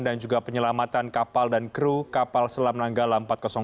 dan juga penyelamatan kapal dan kru kapal selam nanggala empat ratus dua